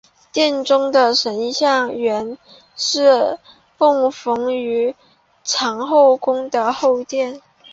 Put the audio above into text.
庙中的神像原是供奉于长和宫的后殿。